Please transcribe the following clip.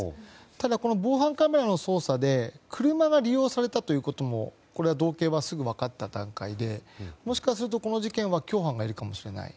ただ、防犯カメラの捜査で車が利用されたということも道警はすぐ分かった段階でもしかするとこの事件は共犯がいるかもしれない。